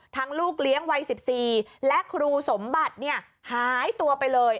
ลูกเลี้ยงวัย๑๔และครูสมบัติหายตัวไปเลย